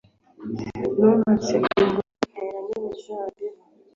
nubatse ingoro, ntera n'imizabibu